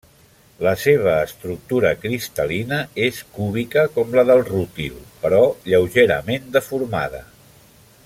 La seva estructura cristal·lina és cúbica com la del rútil, però lleugerament deformada.